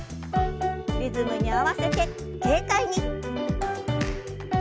リズムに合わせて軽快に。